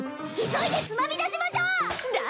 急いでつまみ出しましょう！だ